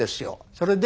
それで